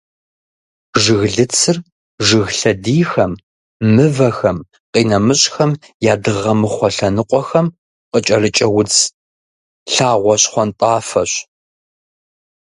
Жыглыцыр жыг лъэдийхэм, мывэхэм, къинэмыщӏхэм я дыгъэмыхъуэ лъэныкъуэхэм къыкӏэрыкӏэ удз лъагъуэ щхъуантӏафэщ.